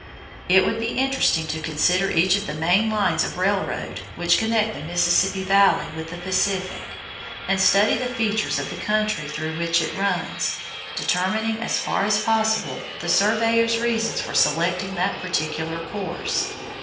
It would be interesting to consider each of the main lines of railroad which connect the Mississippi Valley with the Pacific, and study the features of the country through which it runs, determining as far as possible the surveyor's reasons for selecting that particular course.